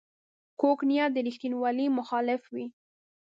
کوږ نیت د ریښتینولۍ مخالف وي